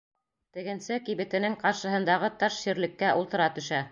Тегенсе кибетенең ҡаршыһындағы таш ширлеккә ултыра төшә.